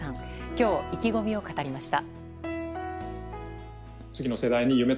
今日、意気込みを語りました。